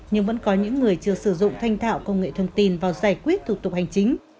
nhưng vẫn có những người chưa sử dụng thanh thạo công nghệ thông tin vào giải quyết thủ tục hành chính